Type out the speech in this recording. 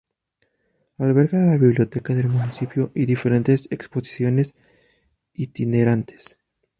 Alberga la biblioteca del municipio y diferentes exposiciones itinerantes.